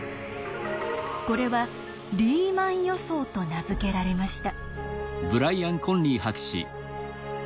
これは「リーマン予想」と名付けられました。